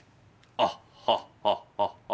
アッハッハッハ。